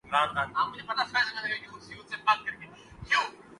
توجہ کا مرکز بننا پسند کرتا ہوں